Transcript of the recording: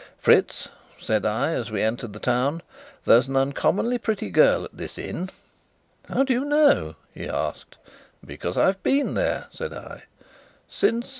"Fritz," said I, as we entered the town, "there's an uncommonly pretty girl at this inn." "How do you know?" he asked. "Because I've been there," said I. "Since